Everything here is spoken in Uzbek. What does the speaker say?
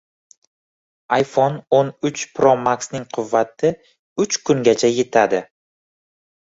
iPhoneo´n uchPro Max’ning quvvati uch kungacha yetadi